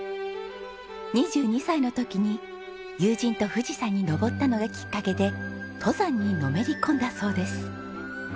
２２歳の時に友人と富士山に登ったのがきっかけで登山にのめり込んだそうです。